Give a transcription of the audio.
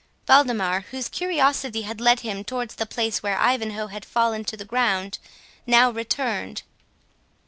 Waldemar, whose curiosity had led him towards the place where Ivanhoe had fallen to the ground, now returned.